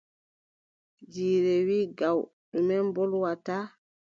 Jiire wii gaw: ɗume mbolwata?